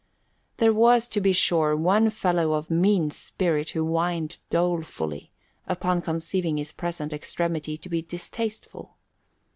There was, to be sure, one fellow of mean spirit who whined dolefully, upon conceiving his present extremity to be distasteful.